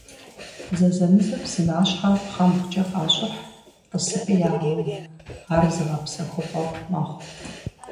Зэзэмызэ псынащхьэр пхъэмбгъукӀэ къащӀыхь, тӀысыпӀи ягъэув, ар зыгъэпсэхупӀэфӀ мэхъу.